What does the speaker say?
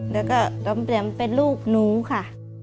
แล้วก็ต้องเปลี่ยนเป็นลูกหนูค่ะ